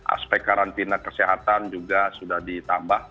aspek karantina kesehatan juga sudah ditambah